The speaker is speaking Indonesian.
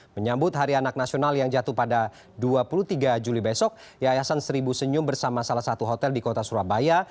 menyambut hari anak nasional yang jatuh pada dua puluh tiga juli besok yayasan seribu senyum bersama salah satu hotel di kota surabaya